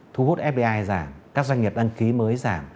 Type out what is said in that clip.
thu hút fdi giảm các doanh nghiệp đăng ký mới giảm